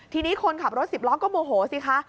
ทีนี้คนขับรถสิบล้อก็โมโหสิคะ